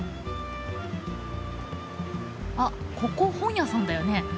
あっここ本屋さんだよね。